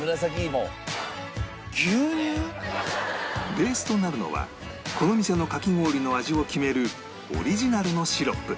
ベースとなるのはこの店のかき氷の味を決めるオリジナルのシロップ